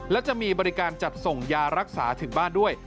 และจะมีบริการจัดส่งยารักษาถึงบ้านด้วย